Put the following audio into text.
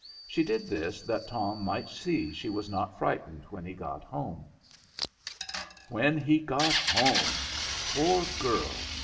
She did this that Tom might see she was not frightened when he got home. When he got home! Poor girl!